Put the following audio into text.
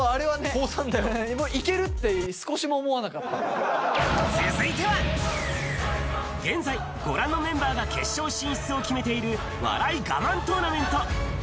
もういけるって、少しも思わ続いては、現在、ご覧のメンバーが決勝進出を決めている、笑いガマントーナメント。